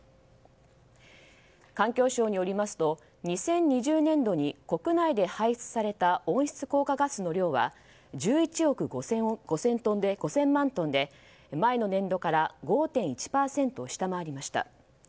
環境省によりますと２０２０年度に国内で排出された温室効果ガスの量は１１億５０００万トンで前の年度から５．１％下回りました。